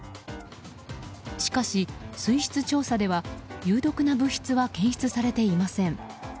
しかし、水質調査では有毒な物質は検出されていません。